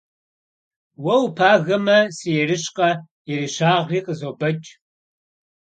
Уэ упагэмэ, сыерыщкъэ, ерыщагъри къызобэкӀ.